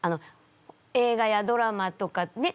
映画やドラマとかねっ？